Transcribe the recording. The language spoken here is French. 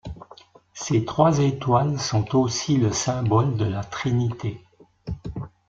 Ces trois étoiles sont aussi le symbole de la Trinité.